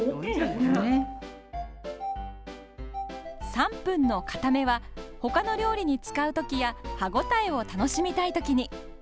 ３分のかためは他の料理に使う時や歯応えを楽しみたい時に。